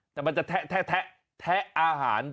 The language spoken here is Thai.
แต่มันจะแทะแทะอาหาร